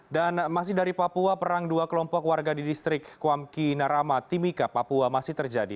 dan masih dari papua perang dua kelompok warga di distrik kuamki narama timika papua masih terjadi